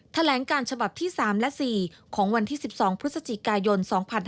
แถลงการฉบับที่๓และ๔ของวันที่๑๒พฤศจิกายน๒๕๕๙